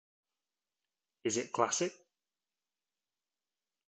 Is it classic?